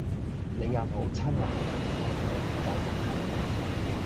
你又冇親眼見到，你點解咁肯定